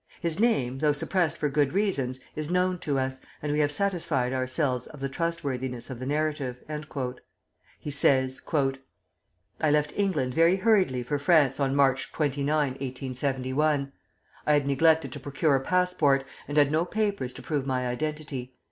His name, though suppressed for good reasons, is known to us, and we have satisfied ourselves of the trustworthiness of the narrative." He says: "I left England very hurriedly for France on March 29, 1871. I had neglected to procure a passport, and had no papers to prove my identity.